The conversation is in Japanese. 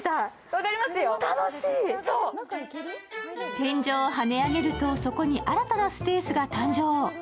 天井をはね上げると、そこに新たなスペースが誕生。